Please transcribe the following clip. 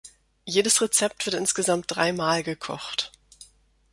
Jedes Rezept wird insgesamt dreimal gekocht.